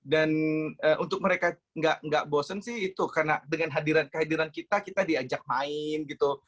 dan untuk mereka nggak bosen sih itu karena dengan hadiran kehadiran kita kita diajak main gitu